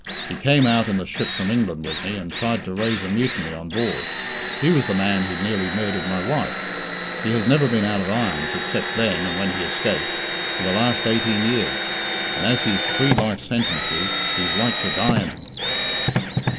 "He came out in the ship from England with me, and tried to raise a mutiny on board. He was the man who nearly murdered my wife. He has never been out of irons except then and when he escaped for the last eighteen years; and as he's three life sentences, he's like to die in 'em."